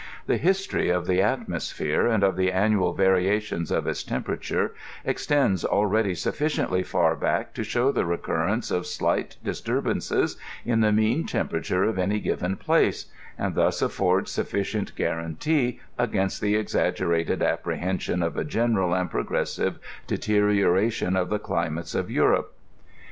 The histoiy of the atmosphere, and of the annual variations of its temperaturo, extends already sufiiciently far back to show the recurrence of slight disturbances in the mean temperature of any given place, and thus aflbrds suffi cient guarantee against the exaggerated apprehension of a general and progressive deterioration of the climates of Eu rope.